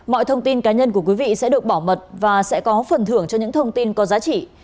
mọi thông tin cá nhân của quý vị sẽ được bảo mật và sẽ có phần thưởng cho những thông tin có giá trị